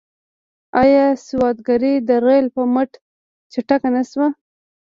آیا سوداګري د ریل په مټ چټکه نشوه؟